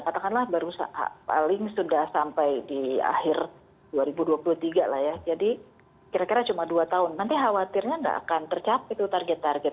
katakanlah baru paling sudah sampai di akhir dua ribu dua puluh tiga lah ya jadi kira kira cuma dua tahun nanti khawatirnya nggak akan tercapai tuh target target